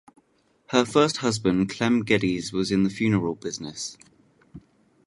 Her first husband Clem Geddes was in the funeral business.